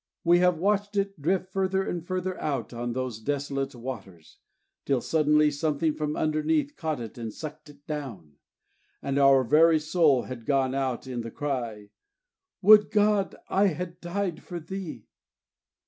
We have watched it drift further and further out on those desolate waters, till suddenly something from underneath caught it and sucked it down. And our very soul has gone out in the cry, "Would God I had died for thee!"